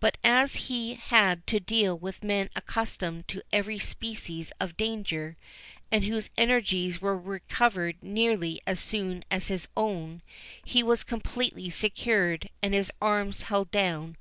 But as he had to deal with men accustomed to every species of danger, and whose energies were recovered nearly as soon as his own, he was completely secured, and his arms held down.